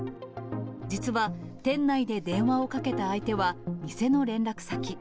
実は店内で電話をかけた相手は、店の連絡先。